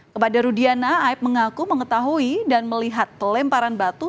kepada rudiana aib mengaku mengetahui dan melihat pelemparan batu